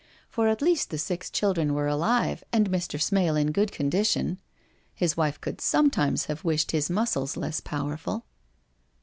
For at least the six children were alive and Mr. Smale in good condition— his wife could sometimes have wished his muscles less powerful.